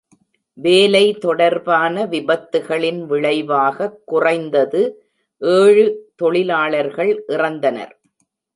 வேலை தொடர்பான விபத்துகளின் விளைவாகக் குறைந்தது ஏழு தொழிலாளர்கள் இறந்தனர்.